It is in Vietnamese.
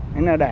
nên là để